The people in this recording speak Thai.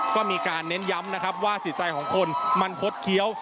ก็มีการเน้นย้ำว่าสิทธิ์ใจของคนมันคดเคี้ยว